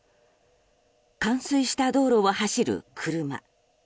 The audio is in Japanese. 冠水した道路を走る車。